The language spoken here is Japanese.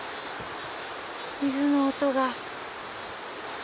水の音が。